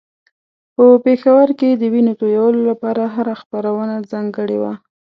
په پېښور کې د وينو تویولو لپاره هره خپرونه ځانګړې وه.